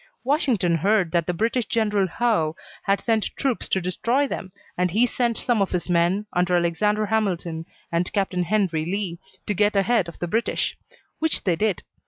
Washington heard that the British General Howe had sent troops to destroy them, and he sent some of his men, under Alexander Hamilton and Captain Henry Lee, to get ahead of the British; which they did.